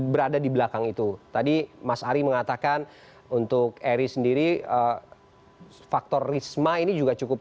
berada di belakang itu tadi mas ari mengatakan untuk eri sendiri faktor risma ini juga cukup